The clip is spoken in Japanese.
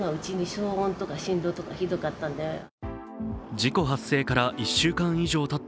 事故発生から１週間以上たった